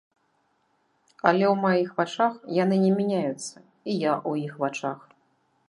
Але ў маіх вачах яны не мяняюцца, і я ў іх вачах.